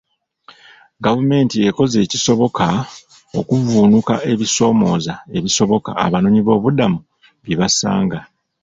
Gavumenti ekoze ekisoboka okuvvuunuka ebisoomooza ebisoboka abanoonyiboobubudamu bye basanga.